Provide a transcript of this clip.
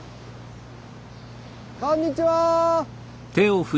こんにちは！